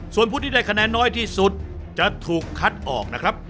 ส่วนผู้ที่ได้คะแนนน้อยที่สุดจะถูกคัดออกนะครับ